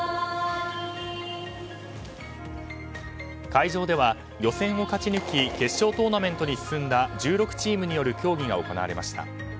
会場では予選を勝ち抜き決勝トーナメントに進んだ１６チームによる競技が行われました。